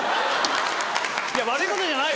悪いことじゃない。